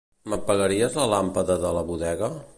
M'apagaries la làmpada de la bodega?